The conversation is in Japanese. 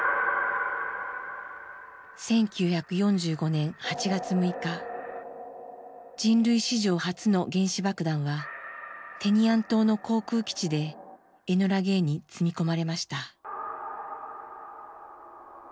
１９４５年８月６日人類史上初の原子爆弾はテニアン島の航空基地でエノラゲイに積み込まれました。